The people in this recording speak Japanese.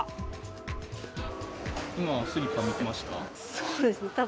今、スリッパ見てました？